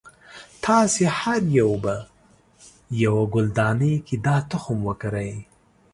تاسې هر یو به یوه ګلدانۍ کې دا تخم وکری.